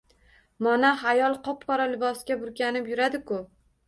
Monax ayollar qop-qora libosga burkanib yuradi-ku?